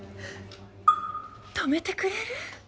止めてくれる？